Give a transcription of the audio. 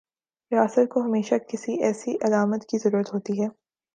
ریاست کو ہمیشہ کسی ایسی علامت کی ضرورت ہوتی ہے۔